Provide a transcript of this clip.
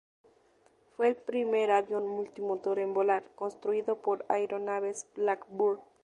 Fue el primer avión multi-motor en volar construido por Aeronaves Blackburn.